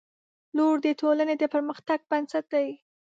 • لور د ټولنې د پرمختګ بنسټ دی.